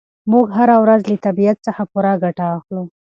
موږ هره ورځ له طبیعت څخه پوره ګټه اخلو.